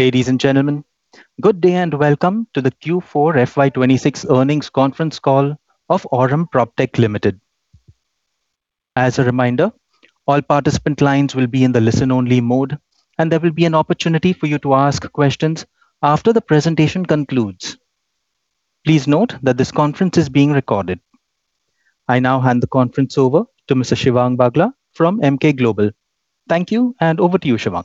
Ladies and gentlemen, good day and welcome to the Q4 FY 2026 earnings conference call of Aurum PropTech Limited. As a reminder, all participant lines will be in the listen only mode, and there will be an opportunity for you to ask questions after the presentation concludes. Please note that this conference is being recorded. I now hand the conference over to Mr. Shivang Bagla from Emkay Global. Thank you, and over to you, Shivang.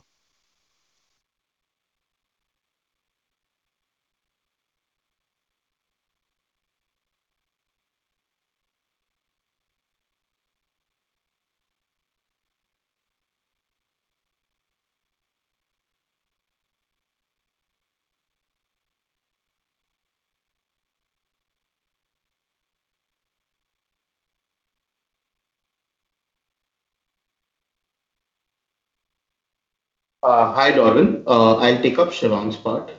Hi, Darwin. I'll take up Shivang's part.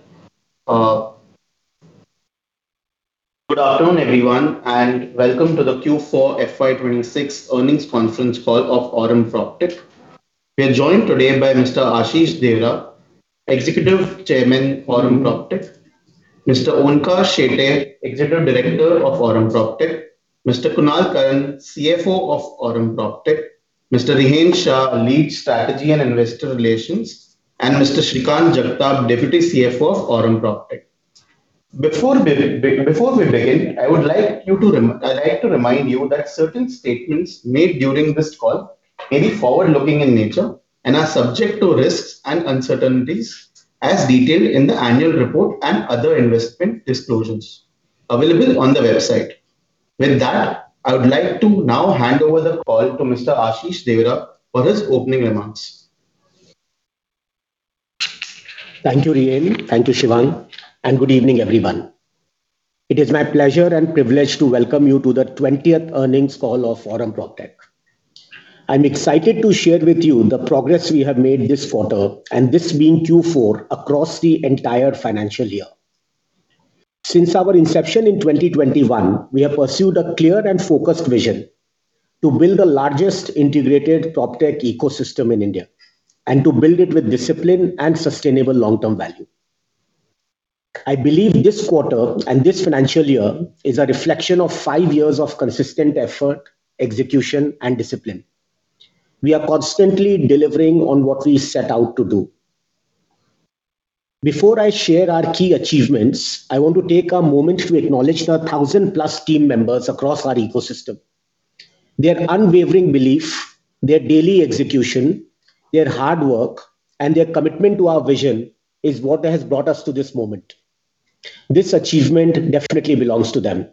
Good afternoon, everyone, and welcome to the Q4 FY 2026 earnings conference call of Aurum PropTech. We're joined today by Mr. Ashish Deora, Executive Chairman, Aurum PropTech, Mr. Onkar Shetye, Executive Director of Aurum PropTech, Mr. Kunal Karan, CFO of Aurum PropTech, Mr. Rihend Shah, Lead Strategy and Investor Relations, and Mr. Shrikant Jagtap, Deputy CFO of Aurum PropTech. Before we begin, I'd like to remind you that certain statements made during this call may be forward-looking in nature and are subject to risks and uncertainties as detailed in the annual report and other investment disclosures available on the website. With that, I would like to now hand over the call to Mr. Ashish Deora for his opening remarks. Thank you, Rihend. Thank you, Shivang, and good evening, everyone. It is my pleasure and privilege to welcome you to the 20th earnings call of Aurum PropTech. I'm excited to share with you the progress we have made this quarter and this being Q4 across the entire financial year. Since our inception in 2021, we have pursued a clear and focused vision to build the largest integrated PropTech ecosystem in India and to build it with discipline and sustainable long-term value. I believe this quarter and this financial year is a reflection of five years of consistent effort, execution, and discipline. We are constantly delivering on what we set out to do. Before I share our key achievements, I want to take a moment to acknowledge the 1,000+ team members across our ecosystem. Their unwavering belief, their daily execution, their hard work, and their commitment to our vision is what has brought us to this moment. This achievement definitely belongs to them.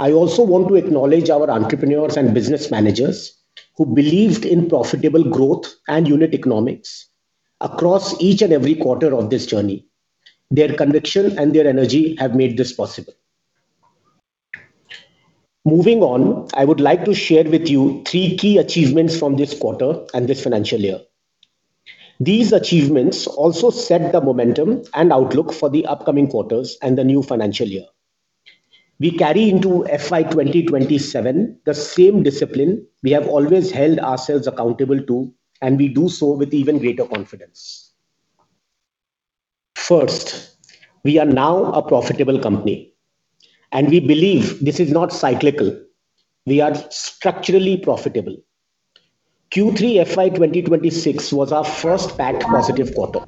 I also want to acknowledge our entrepreneurs and business managers who believed in profitable growth and unit economics across each and every quarter of this journey. Their conviction and their energy have made this possible. Moving on, I would like to share with you three key achievements from this quarter and this financial year. These achievements also set the momentum and outlook for the upcoming quarters and the new financial year. We carry into FY 2027 the same discipline we have always held ourselves accountable to, and we do so with even greater confidence. First, we are now a profitable company, and we believe this is not cyclical. We are structurally profitable. Q3 FY 2026 was our first back-to-back positive quarter.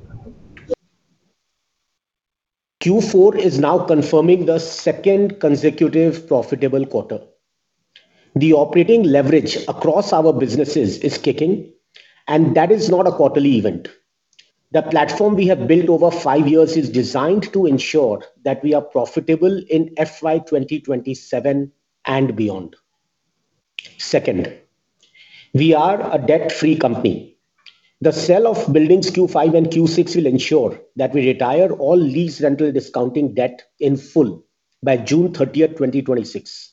Q4 is now confirming the second consecutive profitable quarter. The operating leverage across our businesses is kicking, and that is not a quarterly event. The platform we have built over five years is designed to ensure that we are profitable in FY 2027 and beyond. Second, we are a debt-free company. The sale of buildings Q5 and Q6 will ensure that we retire all lease rental discounting debt in full by June 30, 2026.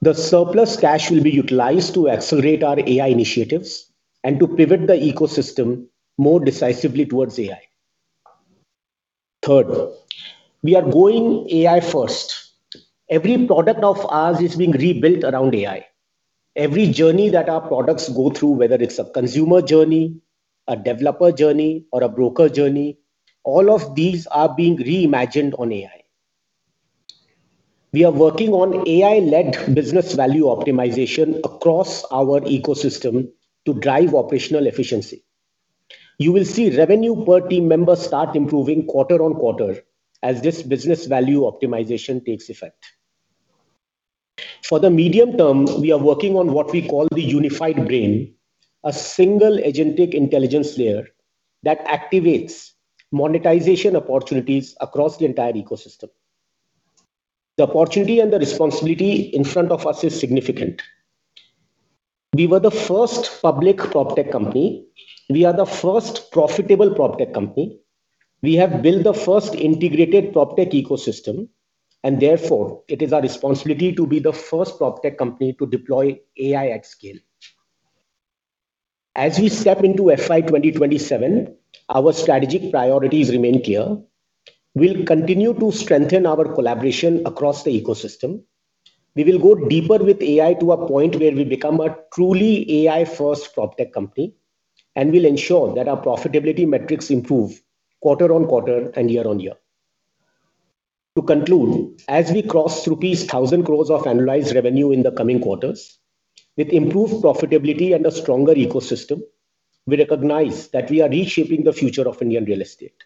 The surplus cash will be utilized to accelerate our AI initiatives and to pivot the ecosystem more decisively towards AI. Third, we are going AI first. Every product of ours is being rebuilt around AI. Every journey that our products go through, whether it's a consumer journey, a developer journey, or a broker journey, all of these are being reimagined on AI. We are working on AI-led business value optimization across our ecosystem to drive operational efficiency. You will see revenue per team member start improving quarter-on-quarter as this business value optimization takes effect. For the medium term, we are working on what we call the unified brain, a single agentic intelligence layer that activates monetization opportunities across the entire ecosystem. The opportunity and the responsibility in front of us is significant. We were the first public PropTech company. We are the first profitable PropTech company. We have built the first integrated PropTech ecosystem, and therefore it is our responsibility to be the first PropTech company to deploy AI at scale. As we step into FY 2027, our strategic priorities remain clear. We'll continue to strengthen our collaboration across the ecosystem. We will go deeper with AI to a point where we become a truly AI-first PropTech company, and we'll ensure that our profitability metrics improve quarter-on-quarter and year-on-year. To conclude, as we cross rupees 1,000 crore of annualized revenue in the coming quarters, with improved profitability and a stronger ecosystem, we recognize that we are reshaping the future of Indian real estate.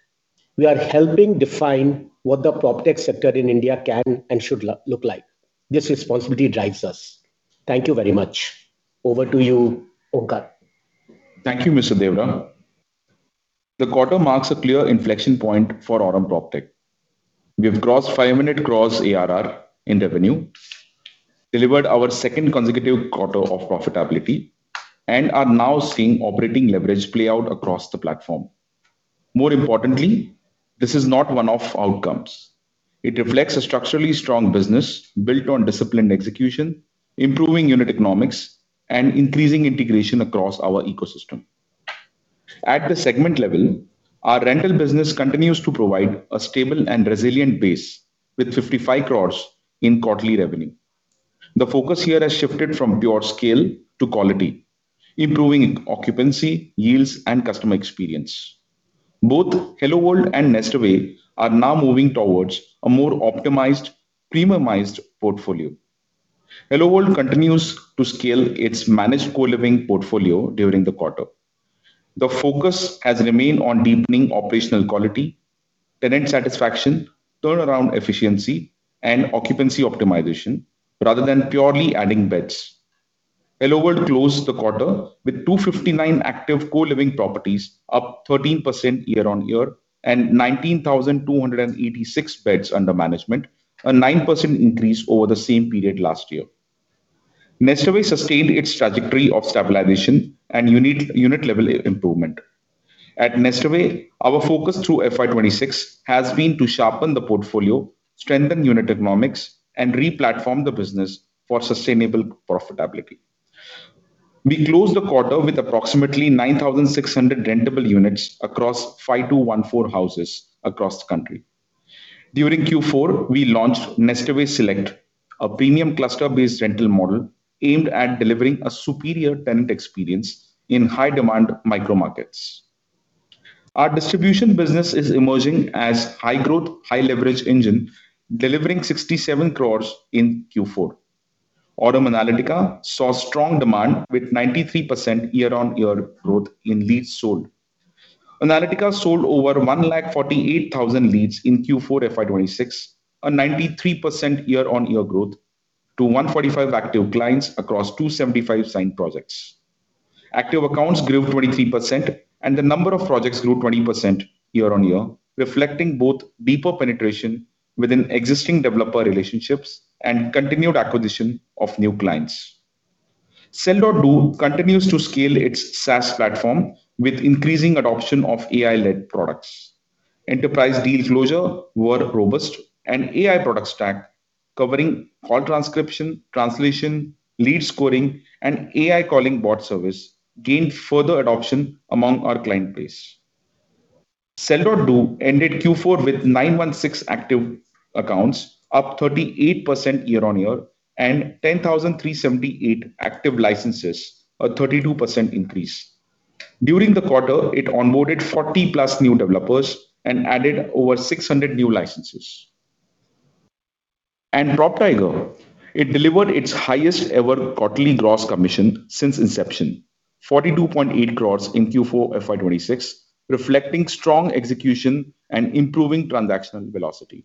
We are helping define what the PropTech sector in India can and should look like. This responsibility drives us. Thank you very much. Over to you, Onkar. Thank you, Mr. Deora. The quarter marks a clear inflection point for Aurum PropTech. We have crossed 500 crore ARR in revenue, delivered our second consecutive quarter of profitability, and are now seeing operating leverage play out across the platform. More importantly, this is not one-off outcomes. It reflects a structurally strong business built on disciplined execution, improving unit economics, and increasing integration across our ecosystem. At the segment level, our rental business continues to provide a stable and resilient base with 55 crore in quarterly revenue. The focus here has shifted from pure scale to quality, improving occupancy, yields, and customer experience. Both HelloWorld and NestAway are now moving towards a more optimized, premiumized portfolio. HelloWorld continues to scale its managed co-living portfolio during the quarter. The focus has remained on deepening operational quality, tenant satisfaction, turnaround efficiency, and occupancy optimization rather than purely adding beds. HelloWorld closed the quarter with 259 active co-living properties, up 13% year-on-year, and 19,286 beds under management, a 9% increase over the same period last year. NestAway sustained its trajectory of stabilization and unit-level improvement. At NestAway, our focus through FY 2026 has been to sharpen the portfolio, strengthen unit economics, and re-platform the business for sustainable profitability. We closed the quarter with approximately 9,600 rentable units across 5,214 houses across the country. During Q4, we launched NestAway Select, a premium cluster-based rental model aimed at delivering a superior tenant experience in high-demand micro markets. Our distribution business is emerging as high growth, high leverage engine delivering 67 crore in Q4. Aurum Analytica saw strong demand with 93% year-on-year growth in leads sold. Analytica sold over 148,000 leads in Q4 FY 2026, a 93% year-on-year growth to 145 active clients across 275 signed projects. Active accounts grew 23%, and the number of projects grew 20% year-on-year, reflecting both deeper penetration within existing developer relationships and continued acquisition of new clients. Sell.Do continues to scale its SaaS platform with increasing adoption of AI-led products. Enterprise deal closure were robust, and AI product stack covering call transcription, translation, lead scoring, and AI calling bot service gained further adoption among our client base. Sell.Do ended Q4 with 916 active accounts, up 38% year-on-year, and 10,378 active licenses, a 32% increase. During the quarter, it onboarded 40+ new developers and added over 600 new licenses. PropTiger, it delivered its highest ever quarterly gross commission since inception. 42.8 crore in Q4 FY 2026, reflecting strong execution and improving transactional velocity.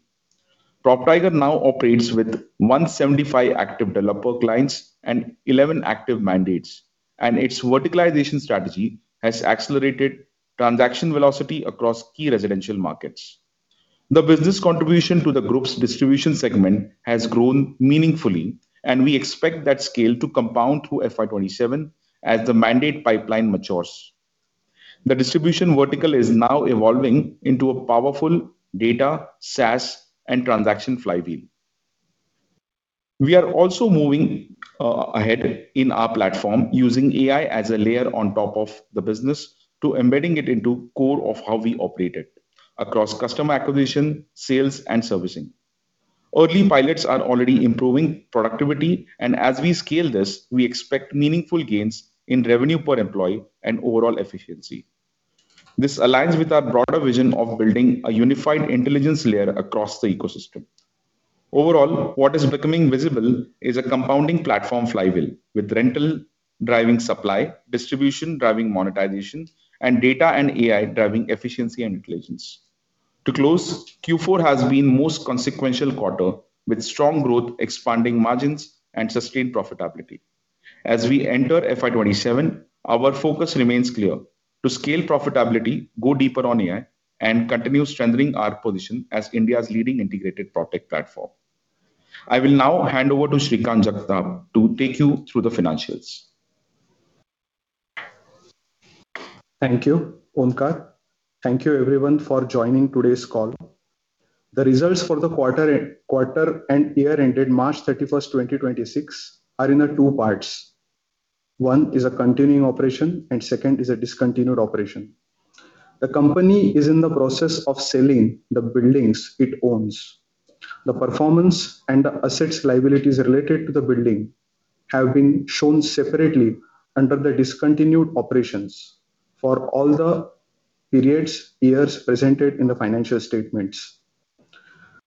PropTiger now operates with 175 active developer clients and 11 active mandates, and its verticalization strategy has accelerated transaction velocity across key residential markets. The business contribution to the group's distribution segment has grown meaningfully, and we expect that scale to compound through FY 2027 as the mandate pipeline matures. The distribution vertical is now evolving into a powerful data, SaaS, and transaction flywheel. We are also moving ahead in our platform using AI as a layer on top of the business to embedding it into core of how we operate it across customer acquisition, sales, and servicing. Early pilots are already improving productivity. As we scale this, we expect meaningful gains in revenue per employee and overall efficiency. This aligns with our broader vision of building a unified intelligence layer across the ecosystem. Overall, what is becoming visible is a compounding platform flywheel with rental driving supply, distribution driving monetization, and data and AI driving efficiency and intelligence. To close, Q4 has been most consequential quarter with strong growth, expanding margins, and sustained profitability. As we enter FY 2027, our focus remains clear to scale profitability, go deeper on AI, and continue strengthening our position as India's leading integrated PropTech platform. I will now hand over to Shrikant Jagtap to take you through the financials. Thank you, Onkar. Thank you everyone for joining today's call. The results for the quarter and year ended March 31, 2026 are in two parts. One is a continuing operation, and second is a discontinued operation. The company is in the process of selling the buildings it owns. The performance and the assets and liabilities related to the building have been shown separately under the discontinued operations for all the periods, years presented in the financial statements.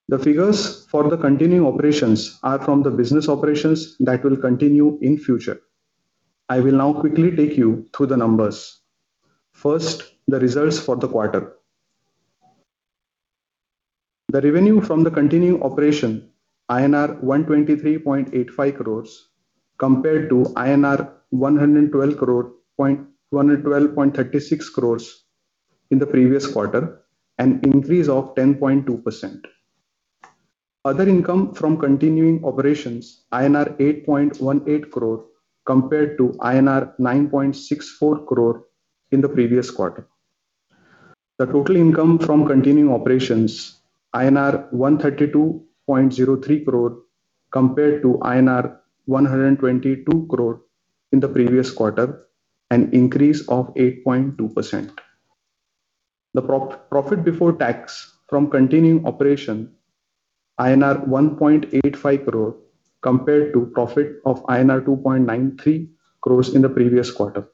The figures for the continuing operations are from the business operations that will continue in future. I will now quickly take you through the numbers. First, the results for the quarter. The revenue from the continuing operation INR 123.85 crore compared to 112.36 crore in the previous quarter, an increase of 10.2%. Other income from continuing operations INR 8.18 crore compared to INR 9.64 crore in the previous quarter. The total income from continuing operations INR 132.03 crore compared to INR 122 crore in the previous quarter, an increase of 8.2%. The profit before tax from continuing operations INR 1.85 crore compared to profit of INR 2.93 crore in the previous quarter.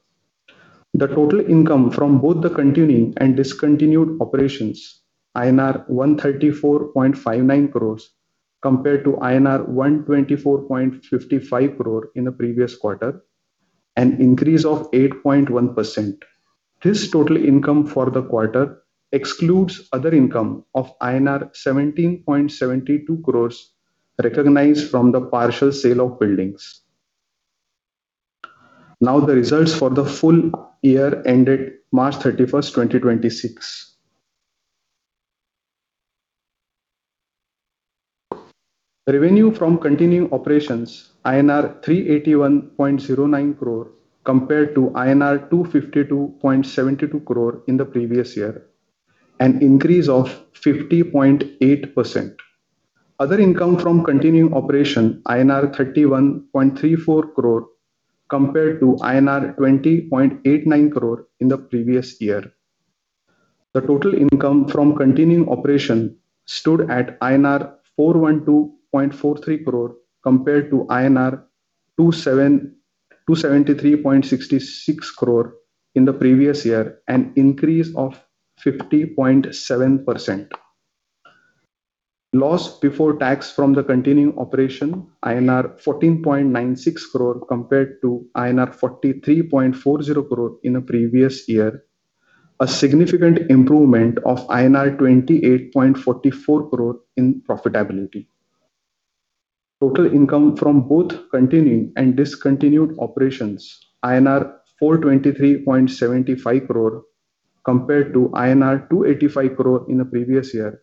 The total income from both the continuing and discontinued operations INR 134.59 crore compared to INR 124.55 crore in the previous quarter, an increase of 8.1%. This total income for the quarter excludes other income of INR 17.72 crore recognized from the partial sale of buildings. Now, the results for the full year ended March 31, 2026. Revenue from continuing operations INR 381.09 crore compared to INR 252.72 crore in the previous year, an increase of 50.8%. Other income from continuing operation INR 31.34 crore compared to INR 20.89 crore in the previous year. The total income from continuing operation stood at INR 412.43 crore compared to INR 273.66 crore in the previous year, an increase of 50.7%. Loss before tax from the continuing operation INR 14.96 crore compared to INR 43.40 crore in the previous year. A significant improvement of INR 28.44 crore in profitability. Total income from both continuing and discontinued operations INR 423.75 crore compared to INR 285 crore in the previous year,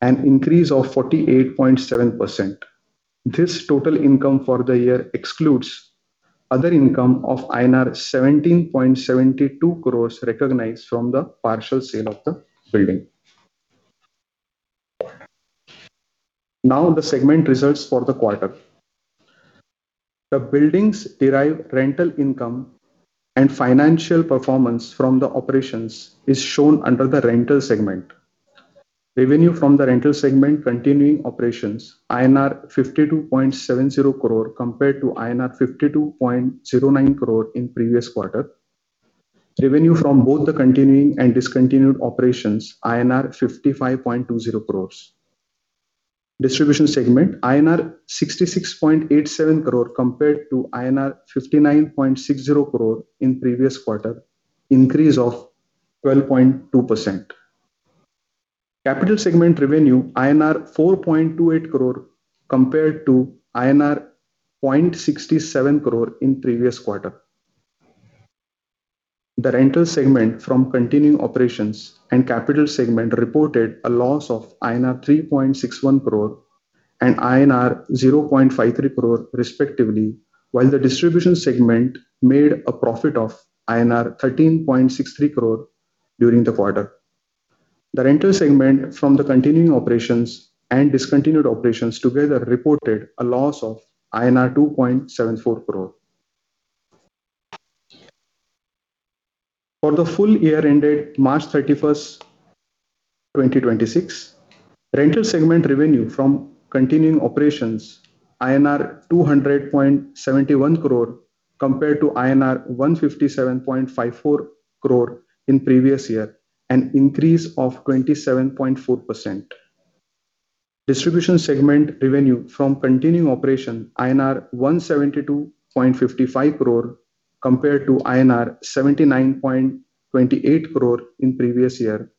an increase of 48.7%. This total income for the year excludes other income of INR 17.72 crore recognized from the partial sale of the building. Now, the segment results for the quarter. The buildings derive rental income and financial performance from the operations is shown under the rental segment. Revenue from the rental segment continuing operations INR 52.70 crore compared to INR 52.09 crore in previous quarter. Revenue from both the continuing and discontinued operations INR 55.20 crore. Distribution segment INR 66.87 crore compared to INR 59.60 crore in previous quarter, increase of 12.2%. Capital segment revenue INR 4.28 crore compared to INR 0.67 crore in previous quarter. The rental segment from continuing operations and capital segment reported a loss of INR 3.61 crore and INR 0.53 crore respectively, while the distribution segment made a profit of INR 13.63 crore during the quarter. The rental segment from the continuing operations and discontinued operations together reported a loss of INR 2.74 crore. For the full year ended March 31, 2026, rental segment revenue from continuing operations INR 200.71 crore compared to INR 157.54 crore in previous year, an increase of 27.4%. Distribution segment revenue from continuing operation INR 172.55 crore compared to INR 79.28 crore in previous year,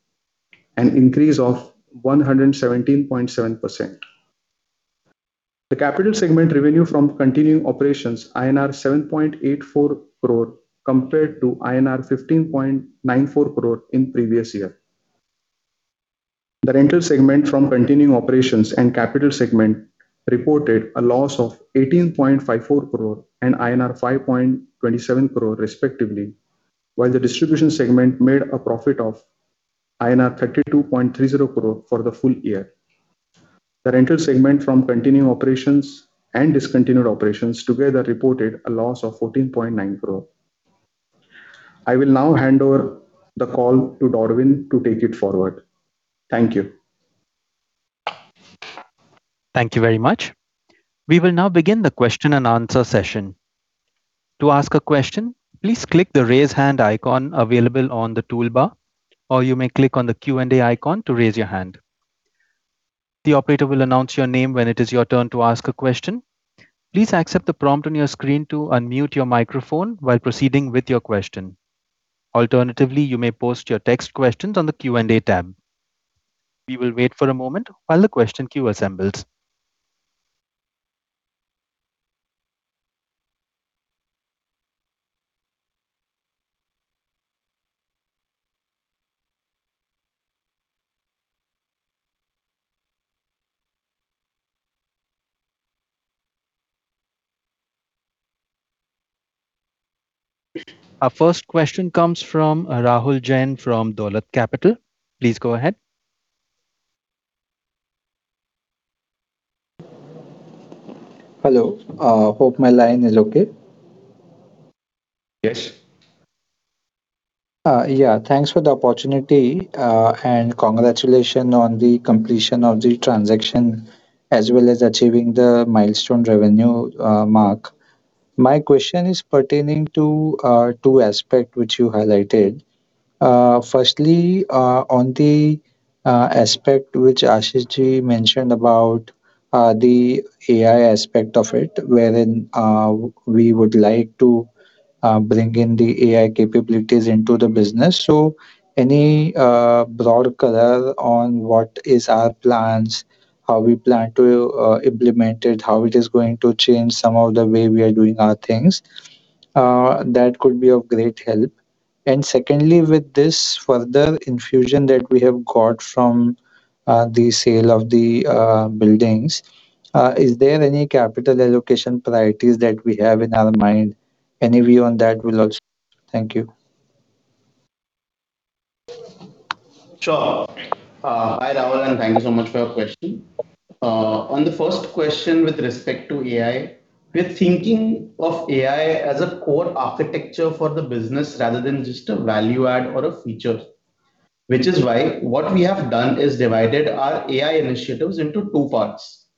an increase of 117.7%. The capital segment revenue from continuing operations INR 7.84 crore compared to INR 15.94 crore in previous year. The rental segment from continuing operations and capital segment reported a loss of 18.54 crore and INR 5.27 crore respectively, while the distribution segment made a profit of INR 32.30 crore for the full year. The rental segment from continuing operations and discontinued operations together reported a loss of 14.9 crore. I will now hand over the call to Darwin to take it forward. Thank you. Thank you very much. We will now begin the question and answer session. To ask a question, please click the Raise Hand icon available on the toolbar, or you may click on the Q&A icon to raise your hand. The operator will announce your name when it is your turn to ask a question. Please accept the prompt on your screen to unmute your microphone while proceeding with your question. Alternatively, you may post your text questions on the Q&A tab. We will wait for a moment while the question queue assembles. Our first question comes from Rahul Jain from Dolat Capital. Please go ahead. Hello. Hope my line is okay. Yes. Thanks for the opportunity and congratulations on the completion of the transaction as well as achieving the milestone revenue mark. My question is pertaining to two aspect which you highlighted. Firstly, on the aspect which Ashish Ji mentioned about the AI aspect of it, wherein we would like to bring in the AI capabilities into the business. So any broader color on what is our plans, how we plan to implement it, how it is going to change some of the way we are doing our things, that could be of great help. Secondly, with this further infusion that we have got from the sale of the buildings, is there any capital allocation priorities that we have in our mind? Any view on that will also. Thank you. Sure. Hi, Rahul, and thank you so much for your question. On the first question with respect to AI, we're thinking of AI as a core architecture for the business rather than just a value add or a feature. Which is why what we have done is divided our AI initiatives into two parts.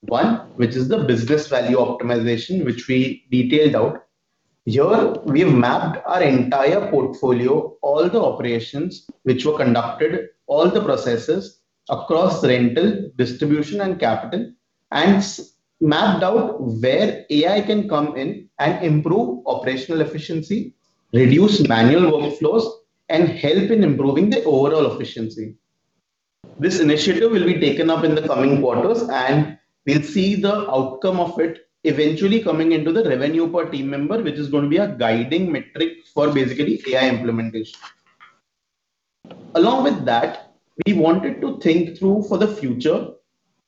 One, which is the business value optimization, which we detailed out. Here we've mapped our entire portfolio, all the operations which were conducted, all the processes across rental, distribution and capital, and mapped out where AI can come in and improve operational efficiency, reduce manual workflows, and help in improving the overall efficiency. This initiative will be taken up in the coming quarters, and we'll see the outcome of it eventually coming into the revenue per team member, which is going to be a guiding metric for basically AI implementation. Along with that, we wanted to think through for the future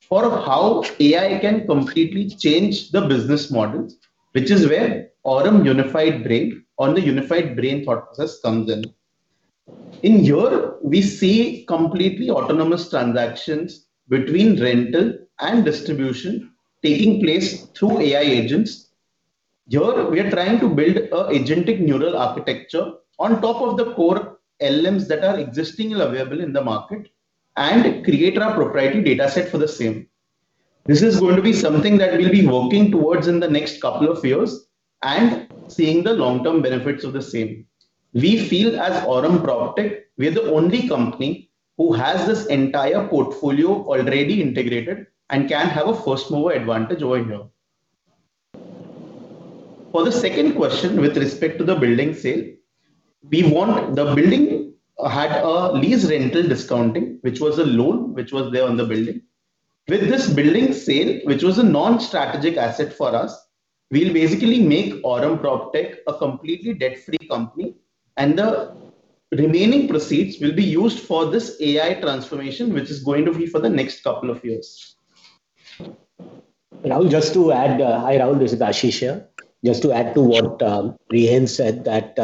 for how AI can completely change the business models, which is where Aurum Unified Brain or the Unified Brain thought process comes in. In here, we see completely autonomous transactions between rental and distribution taking place through AI agents. Here we are trying to build an agentic neural architecture on top of the core elements that are existing and available in the market and create our proprietary data set for the same. This is going to be something that we'll be working towards in the next couple of years and seeing the long-term benefits of the same. We feel as Aurum PropTech, we're the only company who has this entire portfolio already integrated and can have a first-mover advantage over here. For the second question with respect to the building sale, the building had a lease rental discounting, which was a loan, which was there on the building. With this building sale, which was a non-strategic asset for us, we'll basically make Aurum PropTech a completely debt-free company, and the remaining proceeds will be used for this AI transformation, which is going to be for the next couple of years. Rahul, just to add. Hi, Rahul, this is Ashish here. Just to add to what Rihend said that.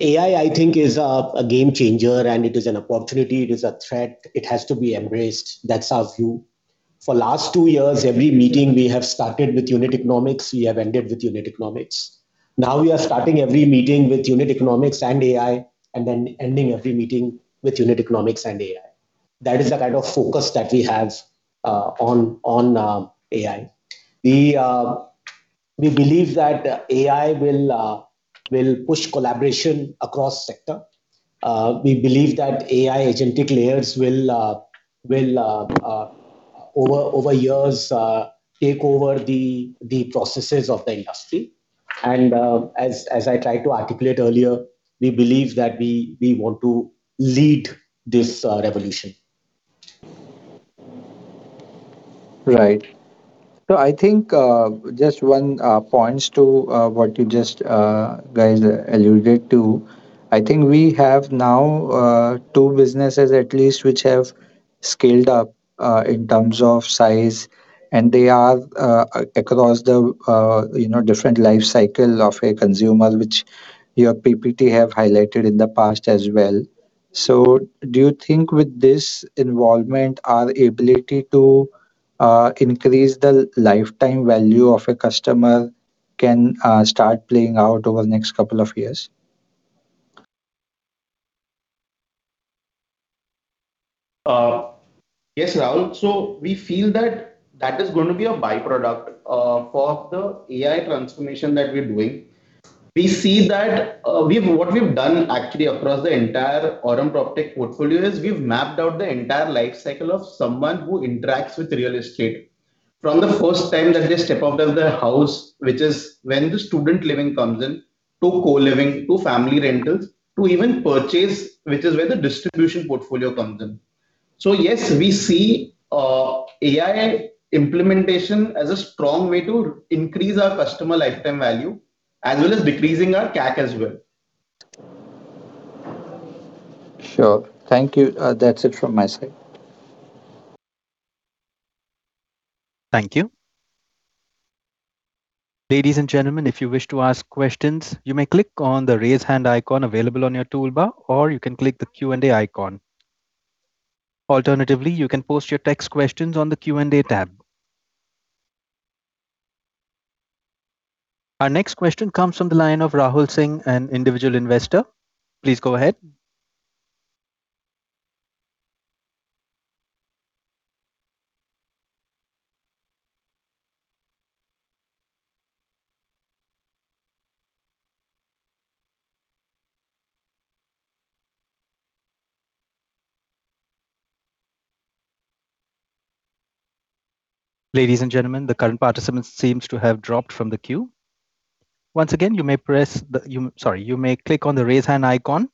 AI, I think, is a game changer and it is an opportunity, it is a threat. It has to be embraced. That's our view. For last two years, every meeting we have started with unit economics, we have ended with unit economics. Now we are starting every meeting with unit economics and AI and then ending every meeting with unit economics and AI. That is the kind of focus that we have on AI. We believe that AI will push collaboration across sector. We believe that AI agentic layers will over years take over the processes of the industry. As I tried to articulate earlier, we believe that we want to lead this revolution. Right. I think just one point to what you guys just alluded to. I think we have now two businesses at least which have scaled up in terms of size and they are across the you know different life cycle of a consumer which your PPT have highlighted in the past as well. Do you think with this involvement, our ability to increase the lifetime value of a customer can start playing out over the next couple of years? Yes, Rahul. We feel that is going to be a by-product for the AI transformation that we're doing. We see that what we've done actually across the entire Aurum PropTech portfolio is we've mapped out the entire life cycle of someone who interacts with real estate. From the first time that they step out of their house, which is when the student living comes in, to co-living, to family rentals, to even purchase, which is where the distribution portfolio comes in. Yes, we see AI implementation as a strong way to increase our customer lifetime value as well as decreasing our CAC as well. Sure. Thank you. That's it from my side. Thank you. Ladies and gentlemen, if you wish to ask questions, you may click on the Raise Hand icon available on your toolbar, or you can click the Q&A icon. Alternatively, you may post your text questions on the Q&A tab. Our next question comes from the line of Rahul Singh, an Individual Investor. Please go ahead. Ladies and gentlemen, the current participant seems to have dropped from the queue. Once again, you may click on the Raise Hand icon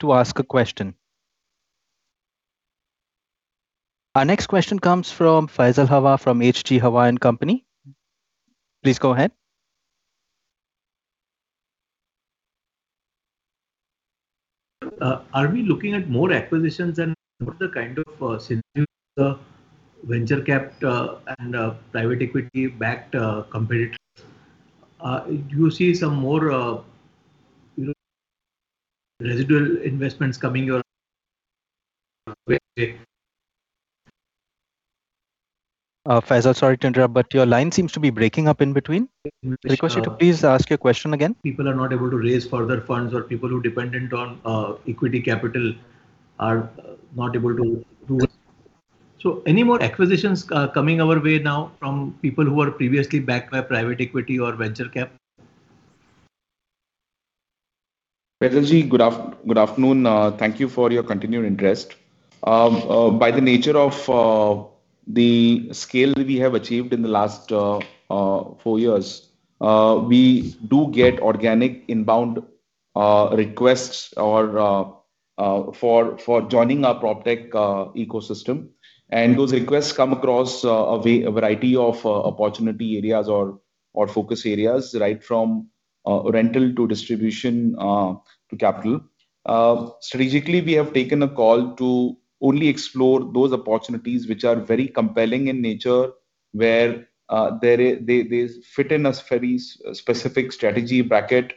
to ask a question. Our next question comes from Faisal Hawa from H.G. Hawa & Company. Please go ahead. Are we looking at more acquisitions and what are the kind of similar venture capital-backed and private equity-backed competitors? Do you see some more, you know, residual investments coming your way? Faisal, sorry to interrupt, but your line seems to be breaking up in between. Yes. Request you to please ask your question again. People are not able to raise further funds or people who dependent on equity capital are not able to do it. Any more acquisitions coming our way now from people who were previously backed by private equity or venture capital? Faisal Hawa, good afternoon. Thank you for your continued interest. By the nature of the scale that we have achieved in the last four years, we do get organic inbound requests for joining our PropTech ecosystem. Those requests come across a variety of opportunity areas or focus areas, right from rental to distribution to capital. Strategically, we have taken a call to only explore those opportunities which are very compelling in nature, where they fit in a very specific strategy bracket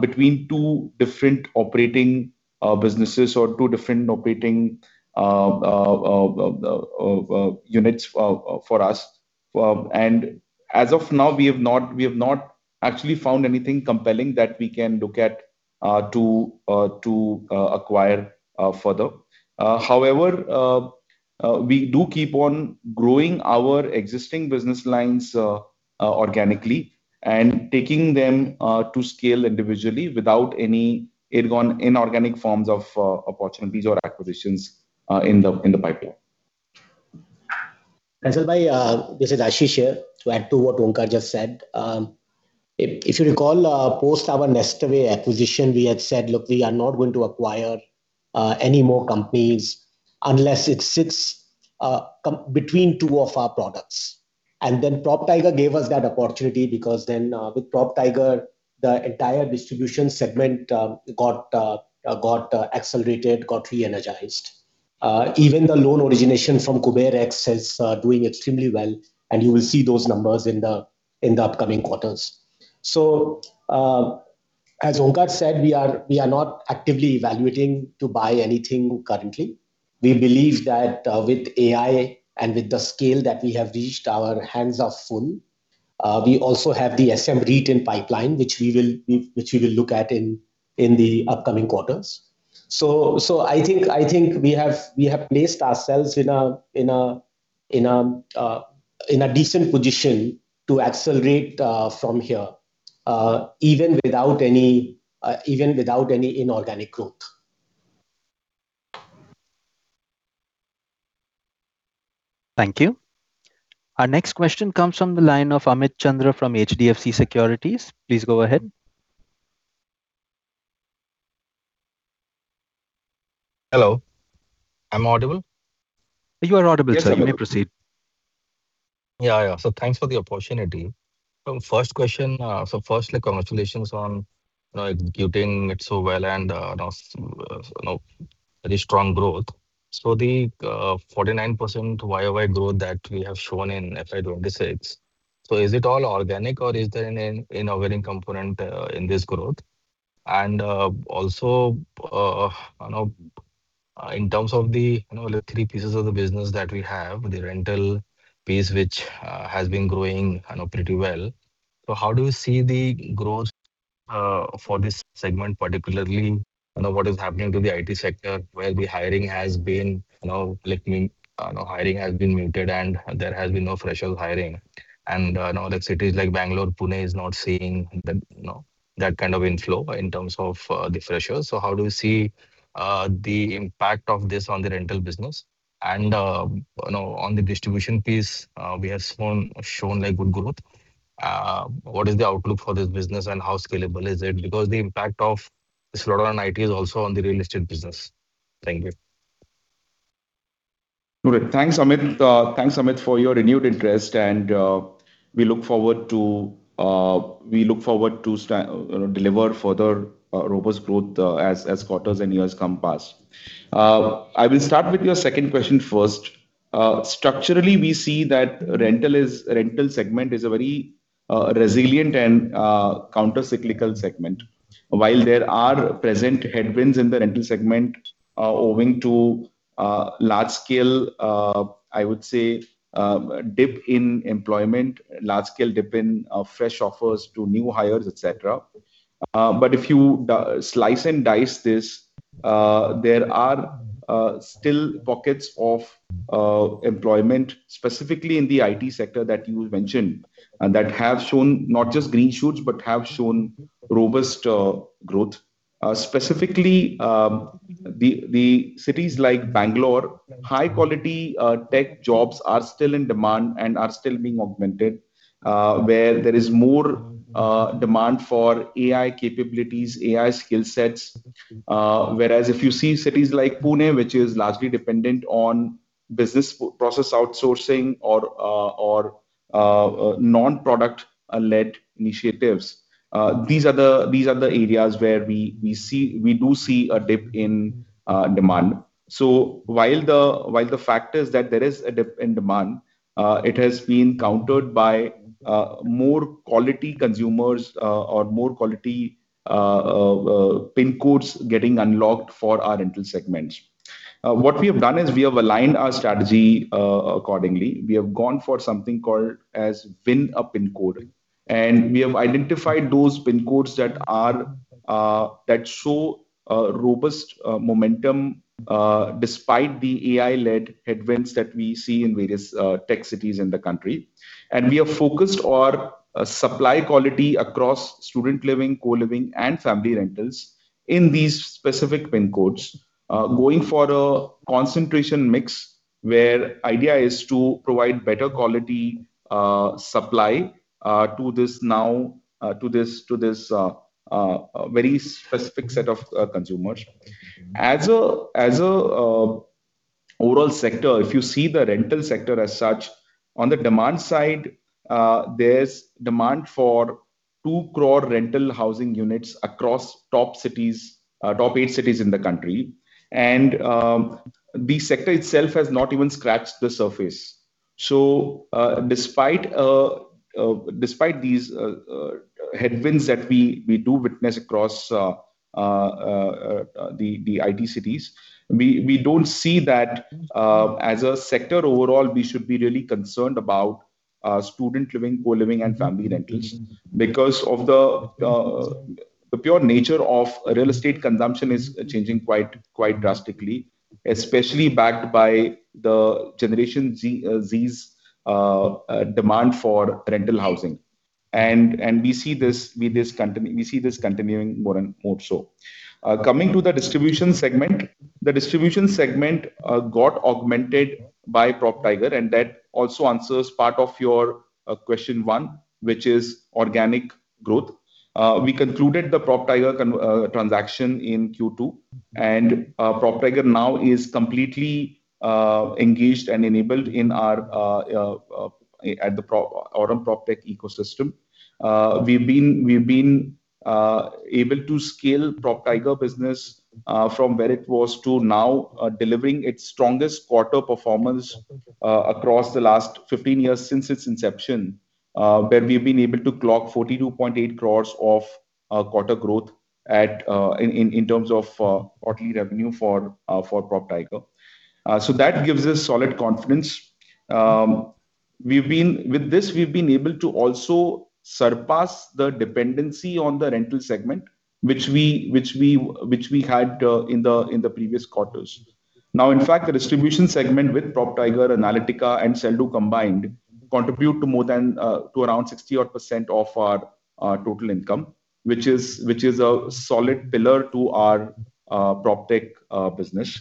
between two different operating businesses or two different operating units for us. As of now, we have not actually found anything compelling that we can look at to acquire further. However, we do keep on growing our existing business lines organically and taking them to scale individually without any inorganic forms of opportunities or acquisitions in the pipeline. Faisal bhai, this is Ashish here. To add to what Onkar just said, if you recall, post our NestAway acquisition, we had said, "Look, we are not going to acquire any more companies unless it comes between two of our products." Then PropTiger gave us that opportunity because then, with PropTiger, the entire distribution segment got accelerated, got re-energized. Even the loan origination from KuberX is doing extremely well, and you will see those numbers in the upcoming quarters. As Onkar said, we are not actively evaluating to buy anything currently. We believe that, with AI and with the scale that we have reached, our hands are full. We also have the SM REIT pipeline, which we will look at in the upcoming quarters. I think we have placed ourselves in a decent position to accelerate from here, even without any inorganic growth. Thank you. Our next question comes from the line of Amit Chandra from HDFC Securities. Please go ahead. Hello, am I audible? You are audible, sir. Yes, I am. You may proceed. Yeah, yeah. Thanks for the opportunity. First question. First, congratulations on, you know, executing it so well and, you know, very strong growth. The 49% YoY growth that we have shown in FY 2026 is it all organic or is there an inorganic component in this growth? And also, in terms of the three pieces of the business that we have, the rental piece which has been growing pretty well. How do you see the growth for this segment particularly? I know what is happening to the IT sector, where the hiring has been muted and there has been no fresher hiring. Now the cities like Bangalore, Pune is not seeing that, you know, that kind of inflow in terms of the freshers. How do you see the impact of this on the rental business? You know, on the distribution piece, we have shown like good growth. What is the outlook for this business and how scalable is it? Because the impact of slowdown in IT is also on the real estate business. Thank you. Thanks, Amit, for your renewed interest, and we look forward to you know deliver further robust growth as quarters and years come past. I will start with your second question first. Structurally, we see that rental segment is a very resilient and counter-cyclical segment. While there are present headwinds in the rental segment owing to large scale I would say dip in employment, large scale dip in fresh offers to new hires, et cetera. But if you slice and dice this, there are still pockets of employment, specifically in the IT sector that you mentioned, and that have shown not just green shoots, but have shown robust growth. Specifically, the cities like Bangalore, high quality tech jobs are still in demand and are still being augmented, where there is more demand for AI capabilities, AI skillsets. Whereas if you see cities like Pune, which is largely dependent on business process outsourcing or non-product led initiatives, these are the areas where we see a dip in demand. While the fact is that there is a dip in demand, it has been countered by more quality consumers or more quality pin codes getting unlocked for our rental segments. What we have done is we have aligned our strategy accordingly. We have gone for something called as Win a PIN code, and we have identified those pin codes that show a robust momentum despite the AI-led headwinds that we see in various tech cities in the country. We have focused our supply quality across student living, co-living, and family rentals in these specific pin codes, going for a concentration mix where idea is to provide better quality supply to this very specific set of consumers. As a overall sector, if you see the rental sector as such, on the demand side, there's demand for two crore rental housing units across top eight cities in the country. The sector itself has not even scratched the surface. Despite these headwinds that we do witness across the IT cities, we don't see that as a sector overall we should be really concerned about student living, co-living, and family rentals. Because of the pure nature of real estate consumption is changing quite drastically, especially backed by the Generation Z's demand for rental housing. We see this continuing more and more so. Coming to the distribution segment. The distribution segment got augmented by PropTiger, and that also answers part of your question one, which is organic growth. We concluded the PropTiger transaction in Q2. PropTiger now is completely engaged and enabled in our PropTech ecosystem. We've been able to scale PropTiger business from where it was to now delivering its strongest quarter performance across the last 15 years since its inception, where we've been able to clock 42.8 crore of quarter growth in terms of quarterly revenue for PropTiger. So that gives us solid confidence. With this, we've been able to also surpass the dependency on the rental segment, which we had in the previous quarters. Now, in fact, the distribution segment with PropTiger, Analytica, and Sell.Do combined contribute to more than to around 60%-100% of our total income, which is a solid pillar to our PropTech business.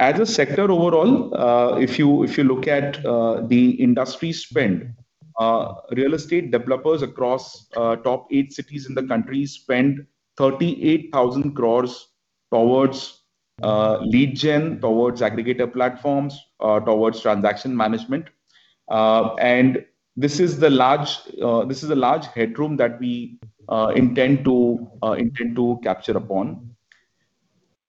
As a sector overall, if you look at the industry spend, real estate developers across top eight cities in the country spend 38,000 crore towards lead gen, towards aggregator platforms, towards transaction management. This is a large headroom that we intend to capture upon.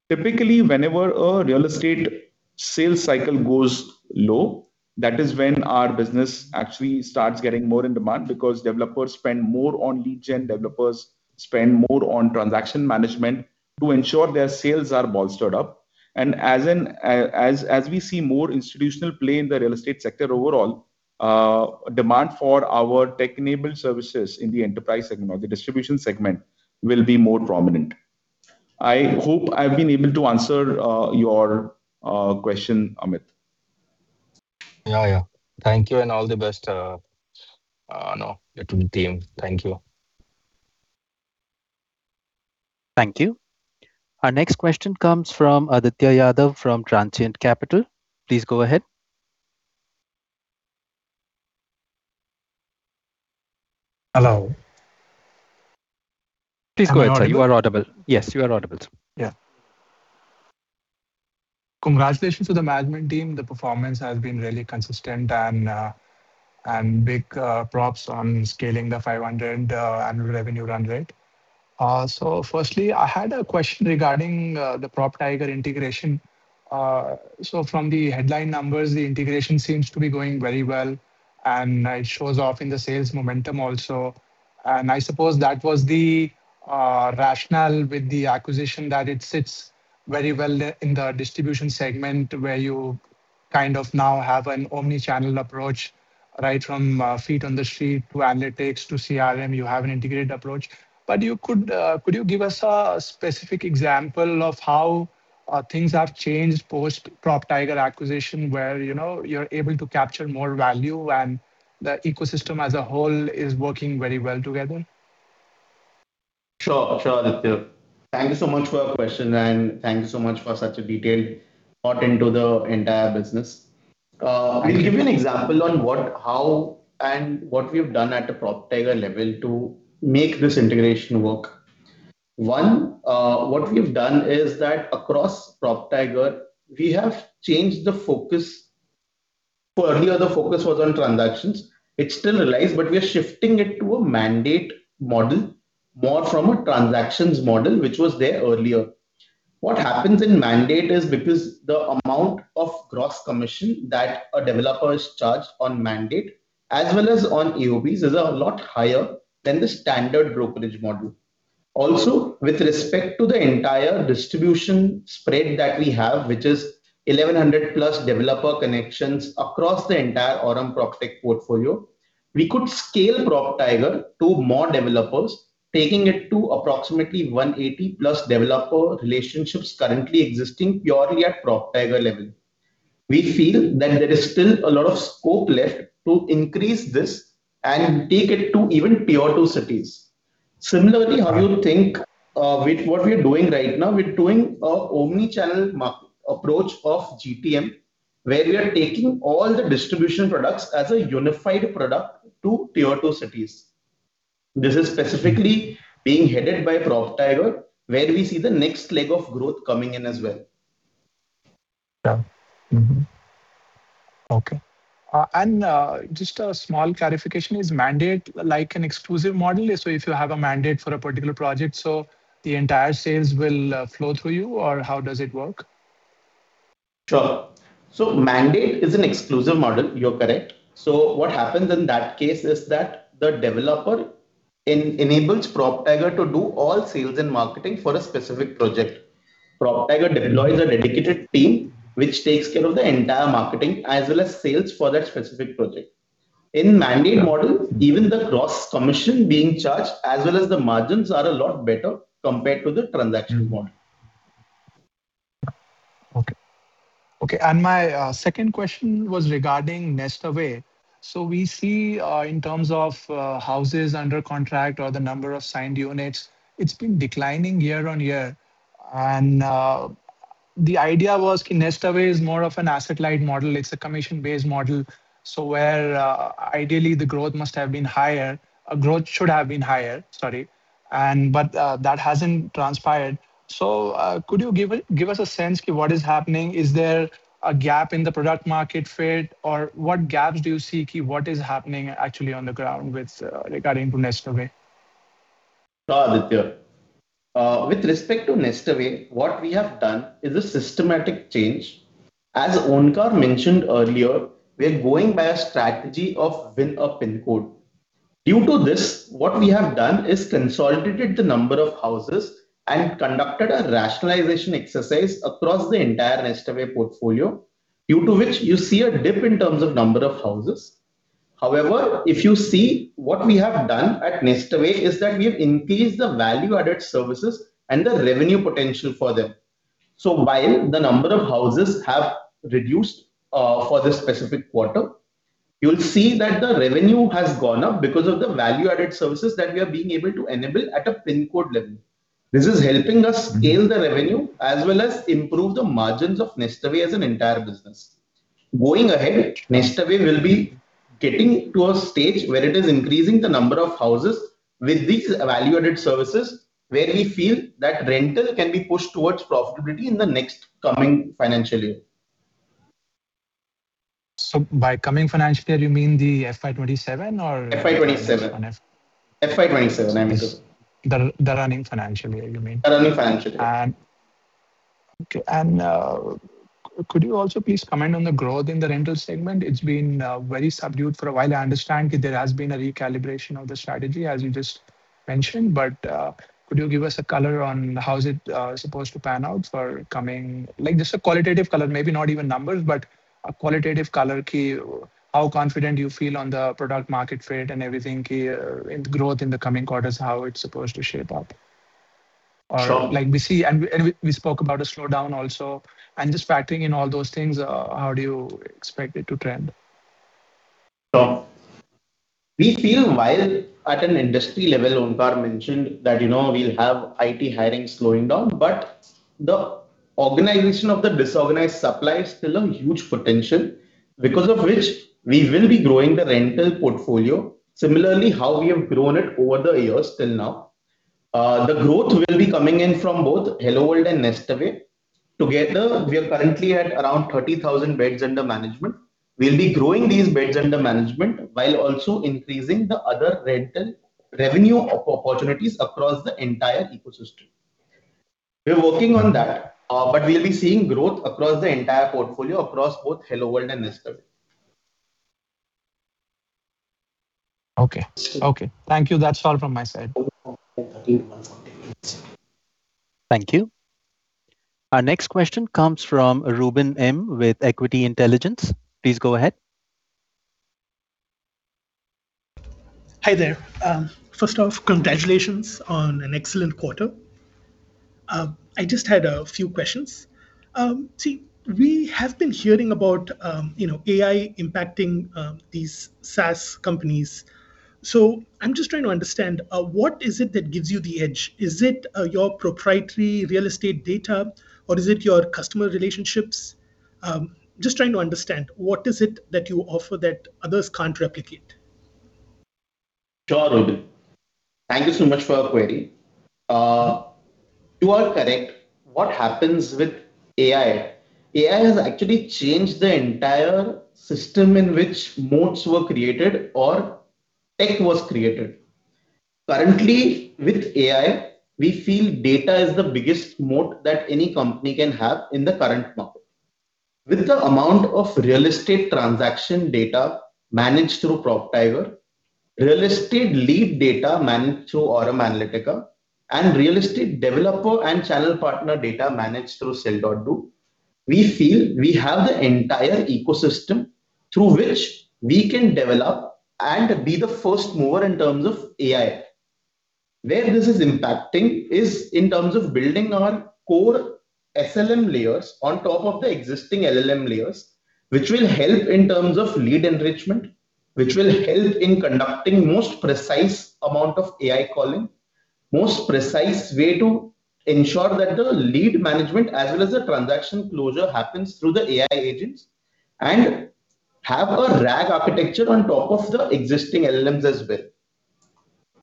Typically, whenever a real estate sales cycle goes low, that is when our business actually starts getting more in demand, because developers spend more on lead gen, developers spend more on transaction management to ensure their sales are bolstered up. As we see more institutional play in the real estate sector overall, demand for our tech-enabled services in the enterprise segment or the distribution segment will be more prominent. I hope I've been able to answer your question, Amit. Yeah, yeah. Thank you and all the best, you know, to the team. Thank you. Thank you. Our next question comes from Aditya Yadav from Transient Capital. Please go ahead. Hello. Please go ahead, sir. You are audible. Yes, you are audible. Yeah. Congratulations to the management team. The performance has been really consistent and big props on scaling the 500 annual revenue run rate. Firstly, I had a question regarding the PropTiger integration. From the headline numbers, the integration seems to be going very well, and it shows up in the sales momentum also. I suppose that was the rationale with the acquisition that it sits very well in the distribution segment, where you kind of now have an omni-channel approach, right? From feet on the street to analytics to CRM, you have an integrated approach. Could you give us a specific example of how things have changed post PropTiger acquisition, where you know, you're able to capture more value and the ecosystem as a whole is working very well together? Sure. Sure, Aditya. Thank you so much for your question, and thank you so much for such a detailed thought into the entire business. I'll give you an example on what, how and what we've done at the PropTiger level to make this integration work. One, what we've done is that across PropTiger, we have changed the focus. Earlier the focus was on transactions. It still relies, but we are shifting it to a mandate model, more from a transactions model, which was there earlier. What happens in mandate is because the amount of gross commission that a developer is charged on mandate as well as on AOS is a lot higher than the standard brokerage model. With respect to the entire distribution spread that we have, which is 1,100+ developer connections across the entire Aurum PropTech portfolio, we could scale PropTiger to more developers, taking it to approximately 180+ developer relationships currently existing purely at PropTiger level. We feel that there is still a lot of scope left to increase this and take it to even tier two cities. How you think with what we're doing right now, we're doing a omni-channel approach of GTM, where we are taking all the distribution products as a unified product to tier two cities. This is specifically being headed by PropTiger, where we see the next leg of growth coming in as well. Yeah. Mm-hmm. Okay. Just a small clarification. Is mandate like an exclusive model? If you have a mandate for a particular project, the entire sales will flow through you, or how does it work? Sure. Mandate is an exclusive model. You're correct. What happens in that case is that the developer enables PropTiger to do all sales and marketing for a specific project. PropTiger deploys a dedicated team which takes care of the entire marketing as well as sales for that specific project. In mandate model, even the gross commission being charged as well as the margins are a lot better compared to the transaction model. Okay. Okay. My second question was regarding NestAway. We see in terms of houses under contract or the number of signed units, it's been declining year on year. The idea was NestAway is more of an asset-light model. It's a commission-based model. Where ideally the growth must have been higher, growth should have been higher, sorry. That hasn't transpired. Could you give us a sense what is happening? Is there a gap in the product market fit? Or what gaps do you see? What is happening actually on the ground with regarding to NestAway? Sure, Aditya. With respect to NestAway, what we have done is a systematic change. As Onkar mentioned earlier, we're going by a strategy of Win a PIN Code. Due to this, what we have done is consolidated the number of houses and conducted a rationalization exercise across the entire NestAway portfolio, due to which you see a dip in terms of number of houses. However, if you see what we have done at NestAway is that we have increased the value-added services and the revenue potential for them. While the number of houses have reduced, for this specific quarter, you'll see that the revenue has gone up because of the value-added services that we are being able to enable at a PIN code level. This is helping us scale the revenue as well as improve the margins of NestAway as an entire business. Going ahead, NestAway will be getting to a stage where it is increasing the number of houses with these value-added services, where we feel that rental can be pushed towards profitability in the next coming financial year. By the coming financial year, you mean the FY 2027 or? FY 2027. On F- FY 2027, I mean The running financial year, you mean? The running financial year. Could you also please comment on the growth in the rental segment? It's been very subdued for a while. I understand there has been a recalibration of the strategy, as you just mentioned, but could you give us a color on how is it supposed to pan out for coming, like, just a qualitative color, maybe not even numbers, but a qualitative color, key, how confident you feel on the product market fit and everything key in growth in the coming quarters, how it's supposed to shape up. Like we see and we spoke about a slowdown also. Just factoring in all those things, how do you expect it to trend? We feel while at an industry level, Onkar mentioned that, you know, we'll have IT hiring slowing down, but the organization of the disorganized supply is still a huge potential, because of which we will be growing the rental portfolio. Similarly, how we have grown it over the years till now, the growth will be coming in from both HelloWorld and NestAway. Together, we are currently at around 30,000 beds under management. We'll be growing these beds under management while also increasing the other rental revenue opportunities across the entire ecosystem. We're working on that, but we'll be seeing growth across the entire portfolio across both HelloWorld and NestAway. Okay. Thank you. That's all from my side. Thank you. Our next question comes from Ruben M. with Equity Intelligence. Please go ahead. Hi there. First off, congratulations on an excellent quarter. I just had a few questions. See, we have been hearing about, you know, AI impacting, these SaaS companies. I'm just trying to understand, what is it that gives you the edge? Is it, your proprietary real estate data, or is it your customer relationships? Just trying to understand, what is it that you offer that others can't replicate? Sure, Ruben. Thank you so much for your query. You are correct. What happens with AI? AI has actually changed the entire system in which moats were created or tech was created. Currently, with AI, we feel data is the biggest moat that any company can have in the current market. With the amount of real estate transaction data managed through PropTiger, real estate lead data managed through Aurum Analytica, and real estate developer and channel partner data managed through Sell.do, we feel we have the entire ecosystem through which we can develop and be the first mover in terms of AI. Where this is impacting is in terms of building our core SLM layers on top of the existing LLM layers, which will help in terms of lead enrichment, which will help in conducting most precise amount of AI calling, most precise way to ensure that the lead management as well as the transaction closure happens through the AI agents, and have a RAG architecture on top of the existing LLMs as well.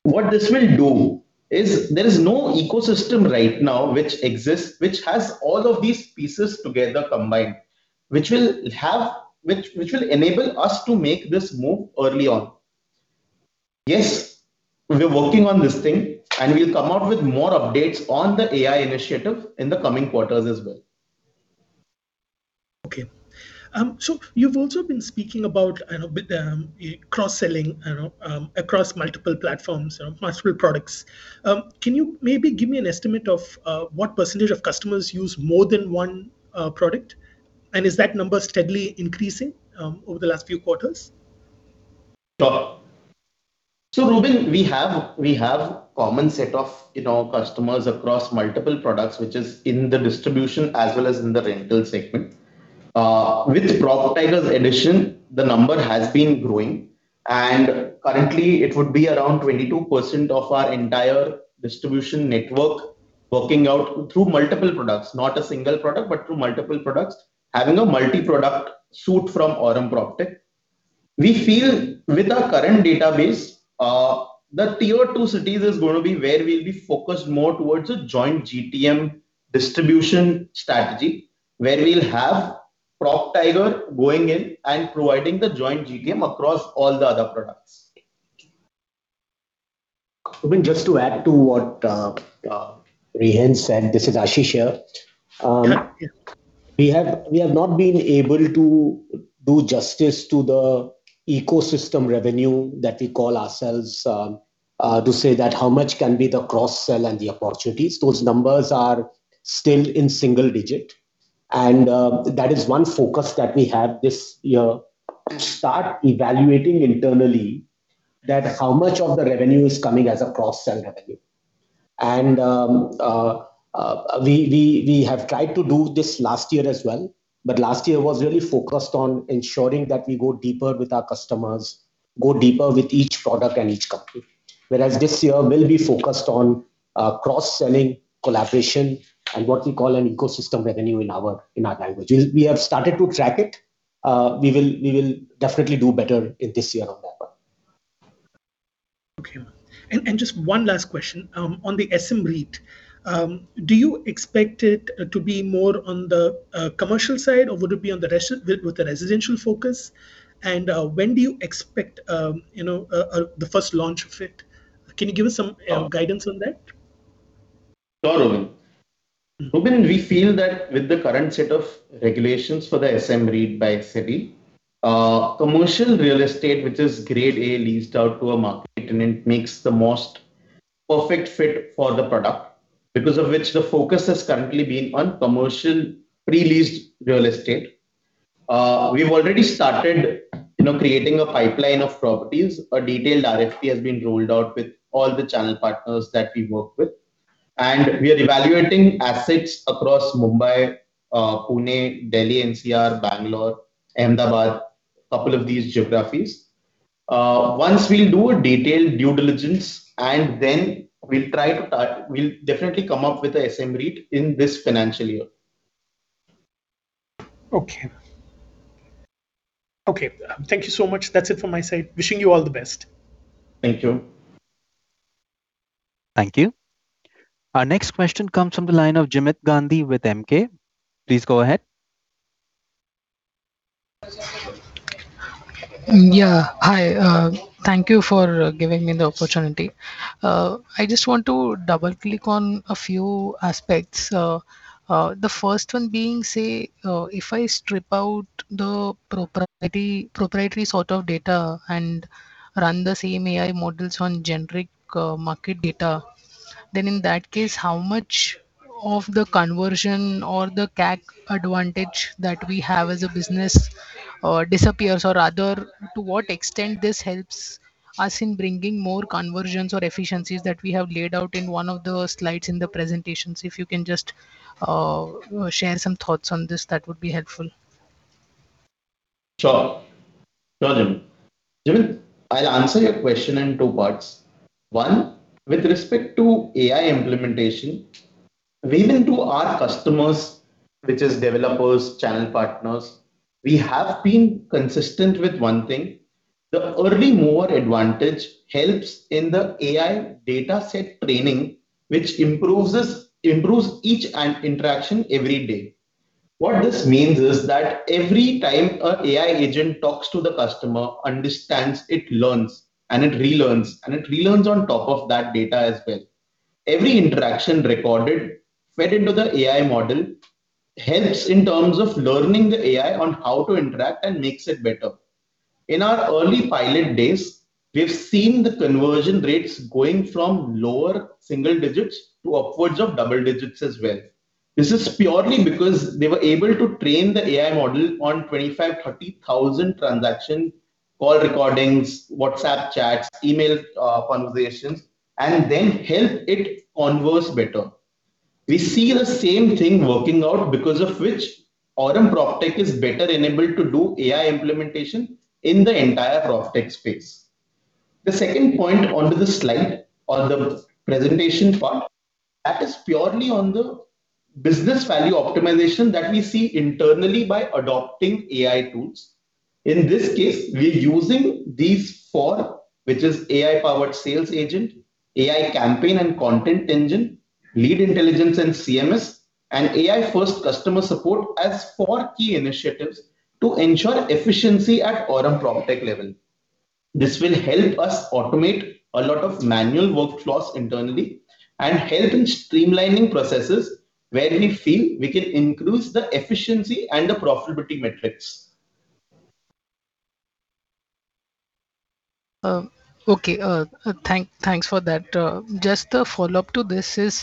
What this will do is there is no ecosystem right now which exists, which has all of these pieces together combined, which will enable us to make this move early on. Yes, we're working on this thing, and we'll come out with more updates on the AI initiative in the coming quarters as well. Okay. You've also been speaking about, I know, with cross-selling, I know, across multiple platforms, multiple products. Can you maybe give me an estimate of what percentage of customers use more than one product? Is that number steadily increasing over the last few quarters? Sure. Ruben, we have a common set of, you know, customers across multiple products, which is in the distribution as well as in the rental segment. With PropTiger's addition, the number has been growing, and currently it would be around 22% of our entire distribution network working out through multiple products. Not a single product, but through multiple products, having a multi-product suite from Aurum PropTech. We feel with our current database, the tier two cities is gonna be where we'll be focused more towards a joint GTM distribution strategy, where we'll have PropTiger going in and providing the joint GTM across all the other products. Ruben M., just to add to what Rihend said, this is Ashish here. We have not been able to do justice to the ecosystem revenue that we call ourselves to say that how much can be the cross-sell and the opportunities. Those numbers are still in single digit. That is one focus that we have this year to start evaluating internally that how much of the revenue is coming as a cross-sell revenue. We have tried to do this last year as well, but last year was really focused on ensuring that we go deeper with our customers, go deeper with each product and each company. Whereas this year we'll be focused on cross-selling, collaboration, and what we call an ecosystem revenue in our language. We have started to track it. We will definitely do better in this year on that. Just one last question on the SM REIT. Do you expect it to be more on the commercial side or would it be on the residential focus? When do you expect you know the first launch of it? Can you give us some guidance on that? Sure, Ruben. Ruben, we feel that with the current set of regulations for the SM REIT by SEBI, commercial real estate, which is Grade A leased out to marquee, and it makes the most perfect fit for the product. Because of which the focus has currently been on commercial pre-leased real estate. We've already started, you know, creating a pipeline of properties. A detailed RFP has been rolled out with all the channel partners that we work with. We are evaluating assets across Mumbai, Pune, Delhi-NCR, Bangalore, Ahmedabad, a couple of these geographies. Once we'll do a detailed due diligence and then we'll definitely come up with a SM REIT in this financial year. Okay. Okay, thank you so much. That's it from my side. Wishing you all the best. Thank you. Thank you. Our next question comes from the line of Jimit Gandhi with Emkay Global. Please go ahead. Yeah. Hi. Thank you for giving me the opportunity. I just want to double-click on a few aspects. The first one being, say, if I strip out the proprietary sort of data and run the same AI models on generic market data, then in that case, how much of the conversion or the CAC advantage that we have as a business disappears? Or rather, to what extent this helps us in bringing more conversions or efficiencies that we have laid out in one of the slides in the presentations? If you can just share some thoughts on this, that would be helpful. Sure, Jimit. I'll answer your question in two parts. One, with respect to AI implementation, we went to our customers, which is developers, channel partners. We have been consistent with one thing. The early mover advantage helps in the AI data set training, which improves each and every interaction every day. What this means is that every time an AI agent talks to the customer, understands, it learns and it relearns, and it relearns on top of that data as well. Every interaction recorded and fed into the AI model helps in terms of learning the AI on how to interact and makes it better. In our early pilot days, we've seen the conversion rates going from lower single digits to upwards of double digits as well. This is purely because they were able to train the AI model on 25-30,000 transactions, call recordings, WhatsApp chats, email, conversations, and then help it converse better. We see the same thing working out because of which Aurum PropTech is better enabled to do AI implementation in the entire PropTech space. The second point onto the slide or the presentation part, that is purely on the business value optimization that we see internally by adopting AI tools. In this case, we're using these four, which is AI-powered sales agent, AI campaign and content engine, lead intelligence and CMS, and AI first customer support as four key initiatives to ensure efficiency at Aurum PropTech level. This will help us automate a lot of manual workflows internally and help in streamlining processes where we feel we can increase the efficiency and the profitability metrics. Thanks for that. Just a follow-up to this is,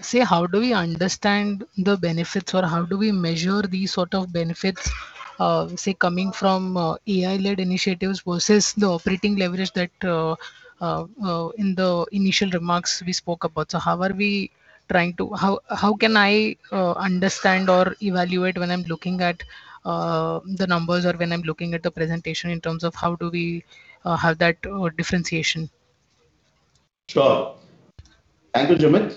say, how do we understand the benefits or how do we measure these sort of benefits, say, coming from AI-led initiatives versus the operating leverage that in the initial remarks we spoke about? How can I understand or evaluate when I'm looking at the numbers or when I'm looking at the presentation in terms of how do we have that differentiation? Sure. Thank you, Jimit.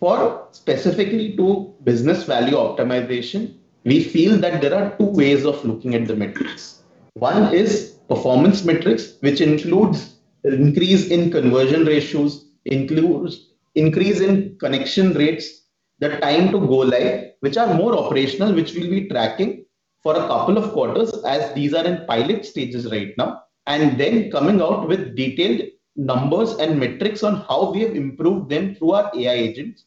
For specifically to business value optimization, we feel that there are two ways of looking at the metrics. One is performance metrics, which includes increase in conversion ratios, increase in connection rates, the time to go live, which are more operational, which we'll be tracking for a couple of quarters as these are in pilot stages right now, and then coming out with detailed numbers and metrics on how we have improved them through our AI agents.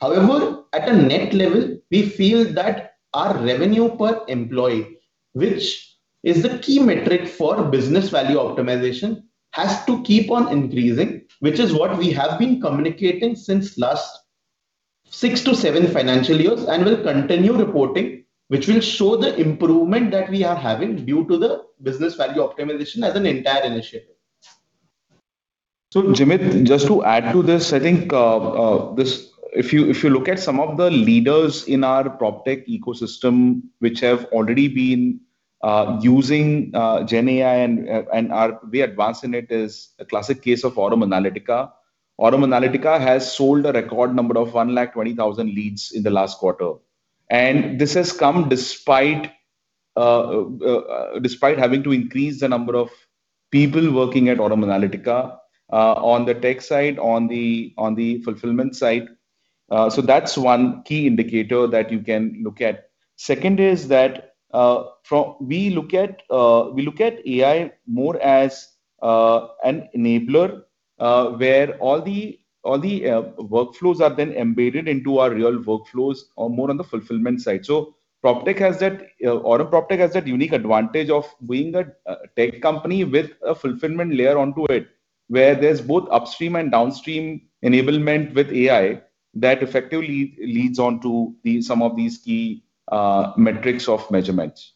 However, at a net level, we feel that our revenue per employee, which is the key metric for business value optimization, has to keep on increasing, which is what we have been communicating since last six to seven financial years and will continue reporting, which will show the improvement that we are having due to the business value optimization as an entire initiative. Jimit, just to add to this. I think, if you look at some of the leaders in our PropTech ecosystem, which have already been using GenAI and are way advanced in it is a classic case of Aurum Analytica. Aurum Analytica has sold a record number of 120,000 leads in the last quarter. This has come despite- Despite having to increase the number of people working at Aurum Analytica, on the tech side, on the fulfillment side. That's one key indicator that you can look at. Second is that, we look at AI more as an enabler, where all the workflows are then embedded into our real workflows or more on the fulfillment side. Aurum PropTech has that unique advantage of being a tech company with a fulfillment layer onto it, where there's both upstream and downstream enablement with AI that effectively leads onto some of these key metrics of measurements.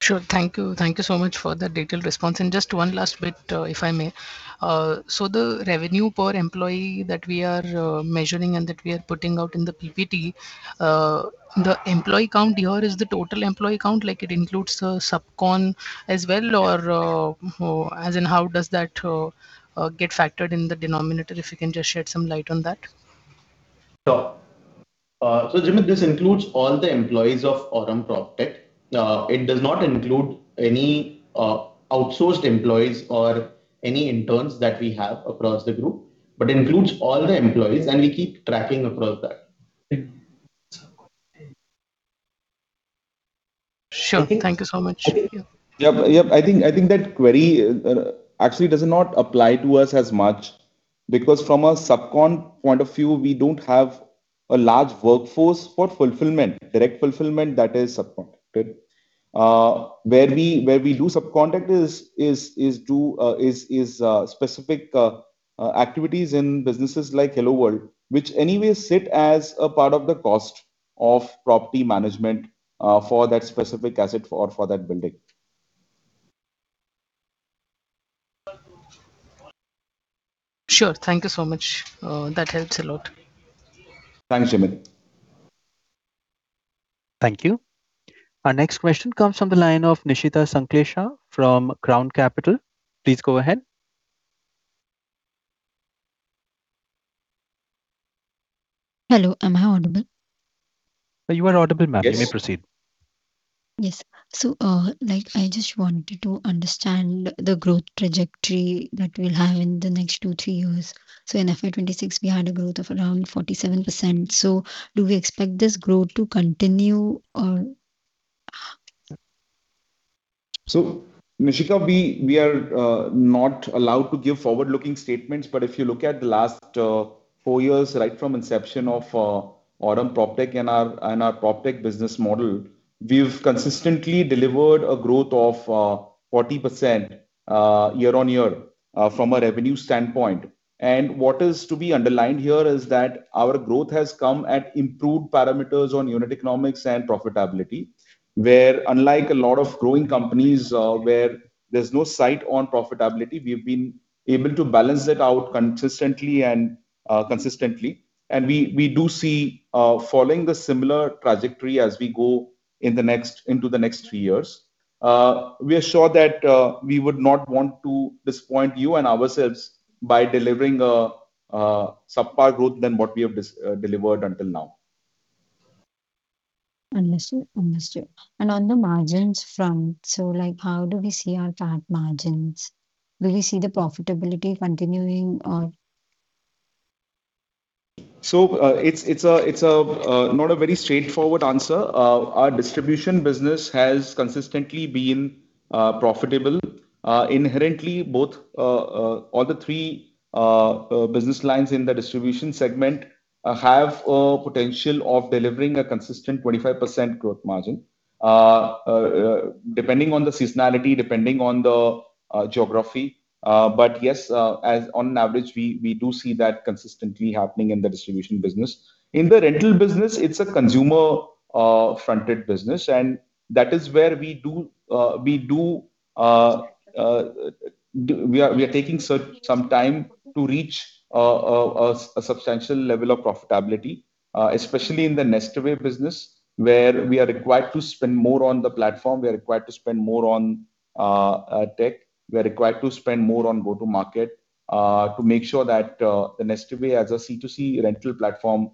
Sure. Thank you. Thank you so much for the detailed response. Just one last bit, if I may. So the revenue per employee that we are measuring and that we are putting out in the PPT, the employee count here is the total employee count, like it includes the subcon as well or, as in how does that get factored in the denominator? If you can just shed some light on that. Sure. Jimit, this includes all the employees of Aurum PropTech. It does not include any outsourced employees or any interns that we have across the group, but includes all the employees, and we keep tracking across that. Sure. Thank you so much. Yep. I think that query actually does not apply to us as much because from a subcon point of view, we don't have a large workforce for fulfillment, direct fulfillment that is subcontracted. Where we do subcontract is to specific activities in businesses like HelloWorld, which anyway sit as a part of the cost of property management for that specific asset for that building. Sure. Thank you so much. That helps a lot. Thanks, Jimit. Thank you. Our next question comes from the line of Nishita Sanklesha from Crown Capital. Please go ahead. Hello, am I audible? You are audible, ma'am. Yes. You may proceed. Yes. I just wanted to understand the growth trajectory that we'll have in the next two, three years. In FY 2026 we had a growth of around 47%. Do we expect this growth to continue or? Nishita, we are not allowed to give forward-looking statements, but if you look at the last four years right from inception of Aurum PropTech and our PropTech business model, we've consistently delivered a growth of 40% year-on-year from a revenue standpoint. What is to be underlined here is that our growth has come at improved parameters on unit economics and profitability. Where unlike a lot of growing companies, where there's no sight on profitability, we've been able to balance it out consistently. We do see following the similar trajectory as we go into the next three years. We are sure that we would not want to disappoint you and ourselves by delivering a subpar growth than what we have delivered until now. Understood. On the margins front, so like how do we see our fat margins? Do we see the profitability continuing or? It's not a very straightforward answer. Our distribution business has consistently been profitable. Inherently all three business lines in the distribution segment have a potential of delivering a consistent 25% growth margin, depending on the seasonality, depending on the geography. On average, we do see that consistently happening in the distribution business. In the rental business, it's a consumer-fronted business, and that is where we are taking some time to reach a substantial level of profitability, especially in the NestAway business, where we are required to spend more on the platform. We are required to spend more on tech. We are required to spend more on go-to-market to make sure that the NestAway as a C2C rental platform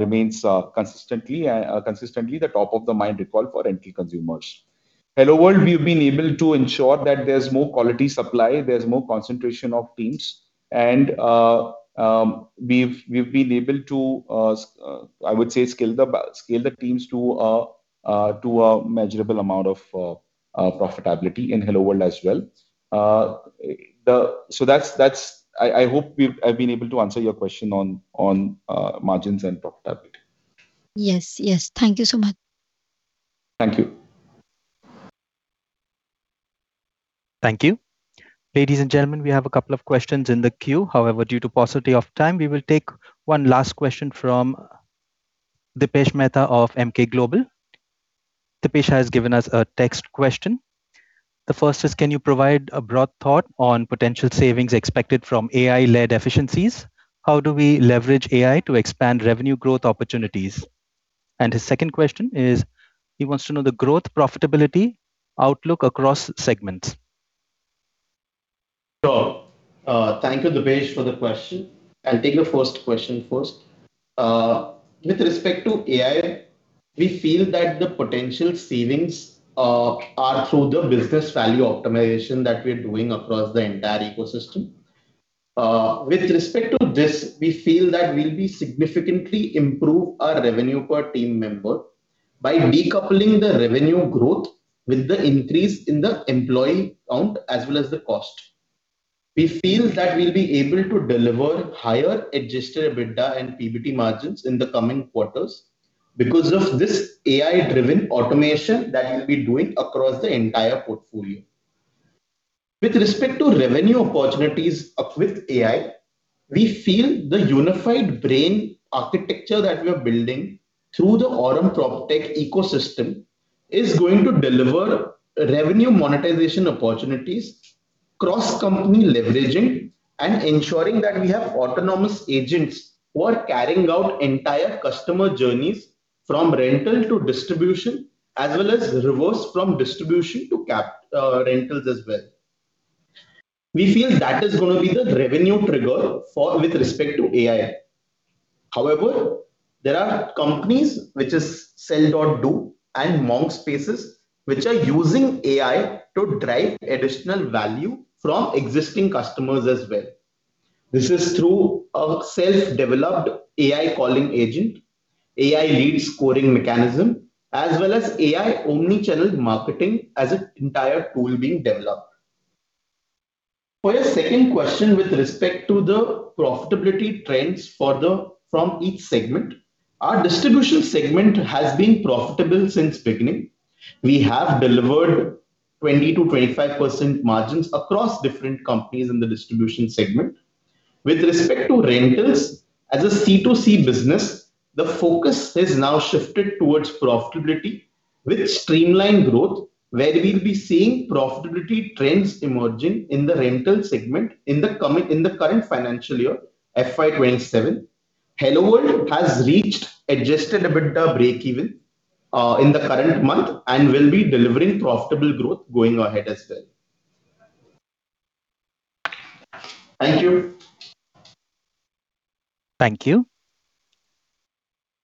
remains consistently the top of the mind recall for rental consumers. HelloWorld, we've been able to ensure that there's more quality supply, there's more concentration of teams and we've been able to I would say scale the teams to a measurable amount of profitability in HelloWorld as well. That's. I hope I've been able to answer your question on margins and profitability. Yes. Yes. Thank you so much. Thank you. Thank you. Ladies and gentlemen, we have a couple of questions in the queue. However, due to paucity of time, we will take one last question from Dipesh Mehta of Emkay Global. Dipesh has given us a text question. The first is: Can you provide a broad thought on potential savings expected from AI-led efficiencies? How do we leverage AI to expand revenue growth opportunities? And his second question is, he wants to know the growth profitability outlook across segments. Sure. Thank you, Dipesh, for the question. I'll take the first question first. With respect to AI, we feel that the potential savings are through the business value optimization that we're doing across the entire ecosystem. With respect to this, we feel that we'll be able to significantly improve our revenue per team member by decoupling the revenue growth with the increase in the employee count as well as the cost. We feel that we'll be able to deliver higher adjusted EBITDA and PBT margins in the coming quarters because of this AI-driven automation that we'll be doing across the entire portfolio. With respect to revenue opportunities with AI, we feel the unified brain architecture that we are building through the Aurum PropTech ecosystem is going to deliver revenue monetization opportunities, cross-company leveraging, and ensuring that we have autonomous agents who are carrying out entire customer journeys from rental to distribution, as well as reverse from distribution to rentals as well. We feel that is gonna be the revenue trigger with respect to AI. However, there are companies which is Sell.Do and MonkSpaces.Ai, which are using AI to drive additional value from existing customers as well. This is through a self-developed AI calling agent, AI lead scoring mechanism, as well as AI omni-channel marketing as an entire tool being developed. For your second question with respect to the profitability trends from each segment, our distribution segment has been profitable since beginning. We have delivered 20%-25% margins across different companies in the distribution segment. With respect to rentals, as a C2C business, the focus has now shifted towards profitability with streamlined growth, where we'll be seeing profitability trends emerging in the rental segment in the current financial year, FY 2027. HelloWorld has reached adjusted EBITDA break even in the current month and will be delivering profitable growth going ahead as well. Thank you. Thank you.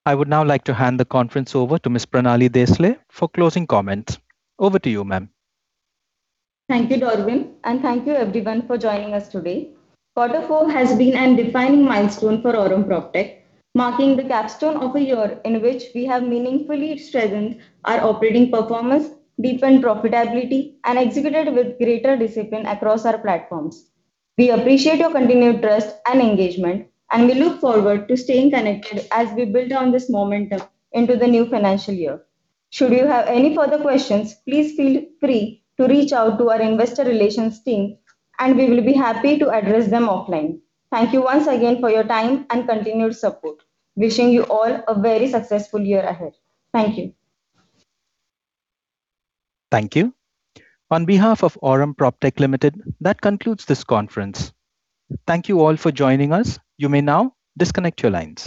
I would now like to hand the conference over to Ms. Pranali Desale for closing comments. Over to you, ma'am. Thank you, Darwin, and thank you everyone for joining us today. Quarter four has been a defining milestone for Aurum PropTech, marking the capstone of a year in which we have meaningfully strengthened our operating performance, deepened profitability, and executed with greater discipline across our platforms. We appreciate your continued trust and engagement, and we look forward to staying connected as we build on this momentum into the new financial year. Should you have any further questions, please feel free to reach out to our investor relations team, and we will be happy to address them offline. Thank you once again for your time and continued support. Wishing you all a very successful year ahead. Thank you. Thank you. On behalf of Aurum PropTech Limited, that concludes this conference. Thank you all for joining us. You may now disconnect your lines.